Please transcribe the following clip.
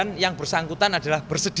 dan yang bersangkutan adalah bersedia